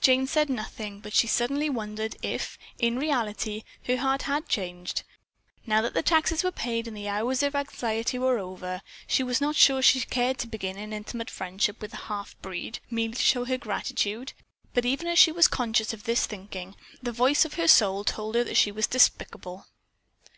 Jane said nothing, but she suddenly wondered if, in reality, her heart had changed. Now that the taxes were paid and the hours of anxiety were over, she was not sure that she cared to begin an intimate friendship with a "halfbreed," merely to show her gratitude, but even as she was conscious of this shrinking, the voice of her soul told her that she was despicable.